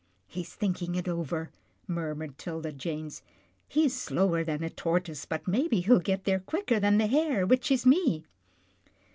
" He's thinking it over," murmured 'Tilda Jane, he's slower than a tortoise, but maybe he'll get there quicker than the hare, which is me."